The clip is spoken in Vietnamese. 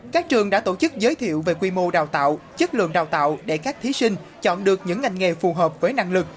các trường đã tổ chức giới thiệu về quy mô đào tạo chất lượng đào tạo để các thí sinh chọn được những ngành nghề phù hợp với năng lực